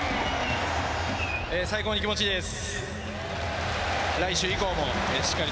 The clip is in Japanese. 最高に気持ちいいです。